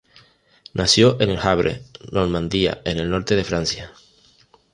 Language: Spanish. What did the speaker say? Nació en El Havre, Normandía, en el norte de Francia.